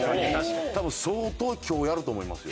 多分相当今日やると思いますよ。